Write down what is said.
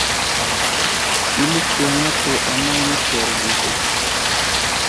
Ɓəlik yaŋ atu anay məpərge ve.